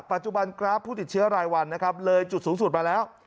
ปัจจุบันกราฟผู้ติดเชื้อรายวันนะครับเลยจุดสูงสุดมาแล้ว